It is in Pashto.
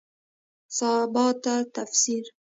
سباته ده تفسیر